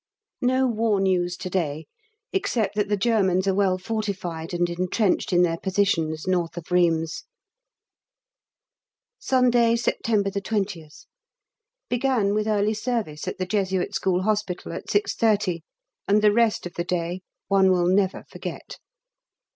No war news to day, except that the Germans are well fortified and entrenched in their positions N. of Rheims. Sunday, September 20th. Began with early service at the Jesuit School Hospital at 6.30, and the rest of the day one will never forget.